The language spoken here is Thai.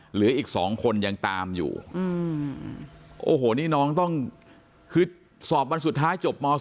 เหลืออีก๒คนยังตามอยู่โอ้โหนี่น้องต้องคือสอบวันสุดท้ายจบม๒